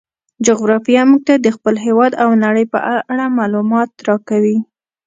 جغرافیه موږ ته د خپل هیواد او نړۍ په اړه معلومات راکوي.